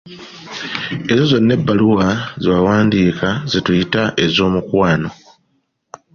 Ezo zonna ebbaluwa ze wawandiika ze tuyita ez'omukwano.